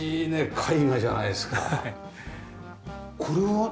これは？